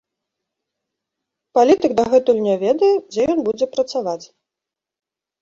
Палітык дагэтуль не ведае, дзе ён будзе працаваць.